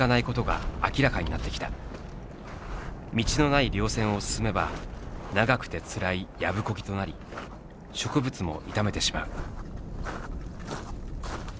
道のない稜線を進めば長くてつらいやぶこぎとなり植物も傷めてしまう。